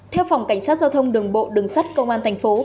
theo phòng cảnh sát giao thông đường bộ đường sắt công an tp